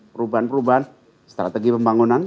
perubahan perubahan strategi pembangunan